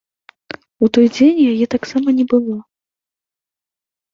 У той дзень яе таксама не было.